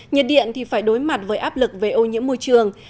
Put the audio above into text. nhiệt điện thì phải đối mặt với áp lực về ô nhiễm môi trường